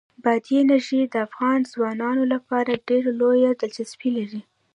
بادي انرژي د افغان ځوانانو لپاره ډېره لویه دلچسپي لري.